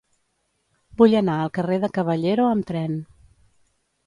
Vull anar al carrer de Caballero amb tren.